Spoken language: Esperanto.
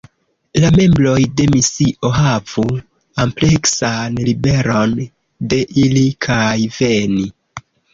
La membroj de misio havu ampleksan liberon de iri kaj veni.